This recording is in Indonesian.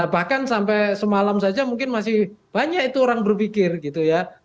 bahkan sampai semalam saja mungkin masih banyak itu orang berpikir gitu ya